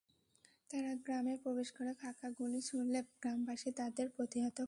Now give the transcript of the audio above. তাঁরা গ্রামে প্রবেশ করে ফাঁকা গুলি ছুড়লে গ্রামবাসী তাঁদের প্রতিহত করেন।